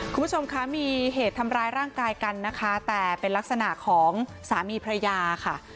คุณผู้ชมคะมีเหตุทำร้ายร่างกายกันนะคะแต่เป็นลักษณะของสามีพระยาค่ะ